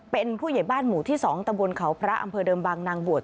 เป็นผู้ใหญ่บ้านหมู่ที่๒ตะบนเขาพระอำเภอเดิมบางนางบวช